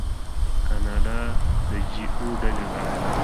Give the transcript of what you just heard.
کاناډا د جي اوه ډلې غړی دی.